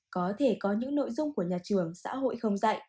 có thể có những nội dung của nhà trường xã hội không dạy